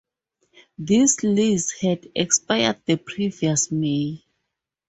This lease had expired the previous May.